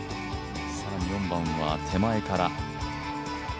更に４番は手前から。